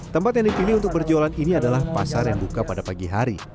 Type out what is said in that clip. tempat yang dipilih untuk berjualan ini adalah pasar yang buka pada pagi hari